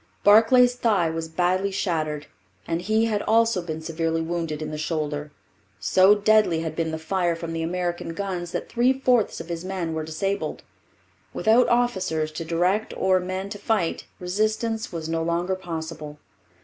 Barclay's thigh was badly shattered and he had also been severely wounded in the shoulder. So deadly had been the fire from the American guns that three fourths of his men were disabled. Without officers to direct or men to fight, resistance was no longer possible.